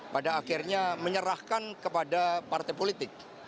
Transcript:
pada akhirnya menyerahkan kepada partai politik